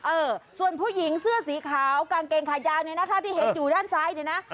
เออส่วนผู้หญิงเสื้อสีขาวกางเกงขายาวเนี่ยนะคะที่เห็นอยู่ด้านซ้ายเนี่ยนะ